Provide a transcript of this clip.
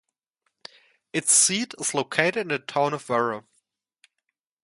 Its seat is located in the town of Vara.